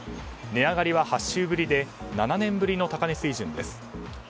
値上がりは８週ぶりで７年ぶりの高値水準です。